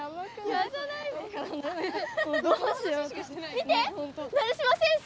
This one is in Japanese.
見て成島先生！